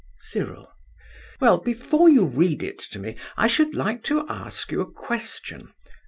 CYRIL. Well, before you read it to me, I should like to ask you a question.